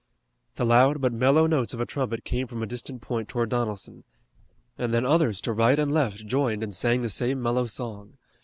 The loud but mellow notes of a trumpet came from a distant point toward Donelson, and then others to right and left joined and sang the same mellow song.